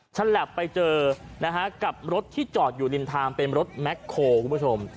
ฉลับไปเจอนะฮะกับรถที่จอดอยู่ริมทางเป็นรถแม็กโคคุณผู้ชม